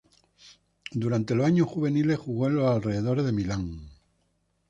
Durante los años juveniles jugó en los alrededores de Milán.